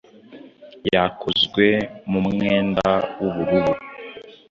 yakozwe mu mwenda wubururu.